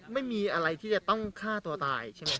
ไม่มีอะไรที่จะต้องฆ่าตัวตายใช่ไหม